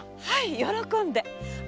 はい喜んで！